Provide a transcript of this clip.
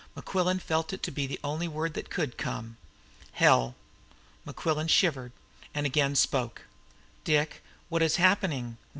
Mequillen felt it to be the only word that could come. "Hell!" Mequillen shivered, and again spoke. "Dick, what is happening?